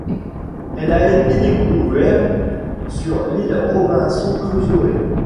Elle a été découverte sur l'île Robinson Crusoe.